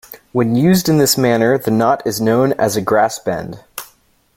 When used in this manner, the knot is known as a grass bend.